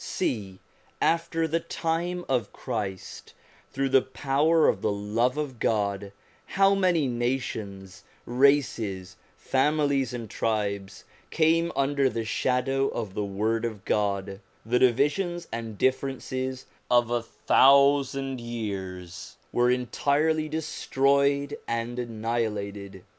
See, after the time of Christ, through the power of the love of God, how many nations, races, families, and tribes came under the shadow of the Word of God: the divisions and differences of a thousand years were entirely destroyed and annihilated.